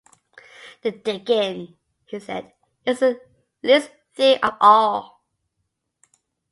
"The digging," he said, "is the least thing of all.